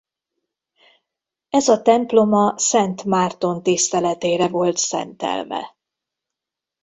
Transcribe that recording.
Ez a temploma Szent Márton tiszteletére volt szentelve.